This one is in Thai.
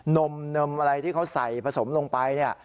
นมอะไรที่เขาใส่ผสมลงไป